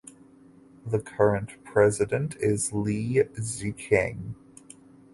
The current president is Li Zhiqiang.